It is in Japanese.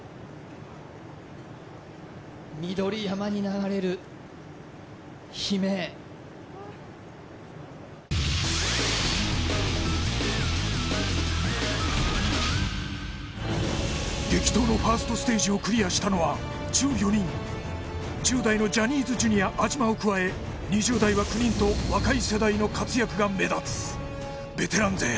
緑山に流れる悲鳴激闘のファーストステージをクリアしたのは１４人１０代のジャニーズＪｒ．安嶋を加え２０代は９人と若い世代の活躍が目立つベテラン勢